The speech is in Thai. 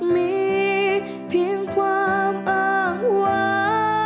มีเพียงความอ้างวา